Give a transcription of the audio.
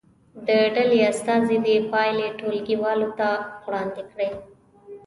د ډلې استازي دې پایلې ټولګي والو ته وړاندې کړي.